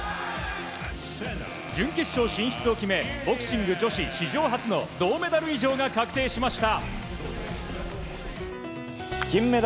準決勝進出を決めボクシング女子史上初の銅メダル以上が確定しました。